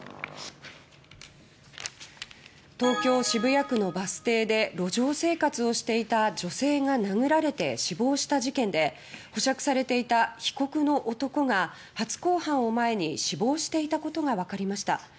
東京・渋谷区のバス停で路上生活をしていた女性が殴られて死亡した事件で保釈されていた被告の男が初公判を前に死亡していたことがわかりました。